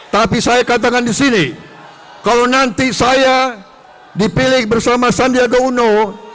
tapi saya katakan di sini kalau nanti saya dipilih bersama sandiaga uno